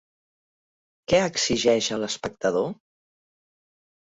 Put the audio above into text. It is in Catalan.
Què exigeix a l'espectador?